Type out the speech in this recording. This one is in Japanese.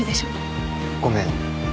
ごめん。